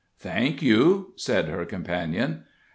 "Thank you," said her companion.